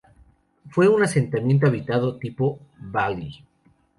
Fue un asentamiento habitado tipo "villae".